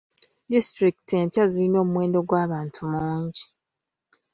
Disitulikiti empya zirina omuwendo gw'abantu mungi.